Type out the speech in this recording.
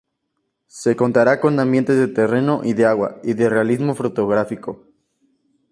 Se contará con ambientes de terreno y de agua y de realismo fotográfico.